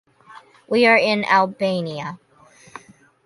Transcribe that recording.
We are in Albania.